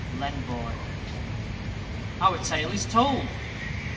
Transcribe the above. L'ENVOY Our tale is told.